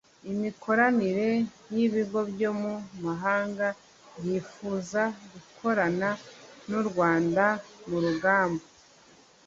Imikoranire n ibigo byo mu mahanga byifuza gukorana n u Rwanda mu rugamba